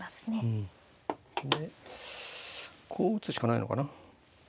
でこう打つしかないのかな。